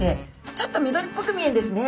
ちょっと緑っぽく見えるんですね